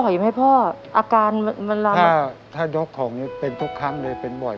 อยู่ฝั่งซ้าย